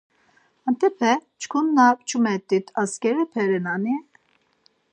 Antepe çkin na çumert̆it askerepe renani?